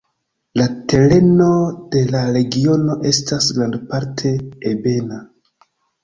La tereno de la regiono estas grandparte ebena.